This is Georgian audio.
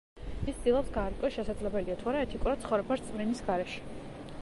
ის ცდილობს გაარკვიოს, შესაძლებელია თუ არა ეთიკურად ცხოვრება რწმენის გარეშე.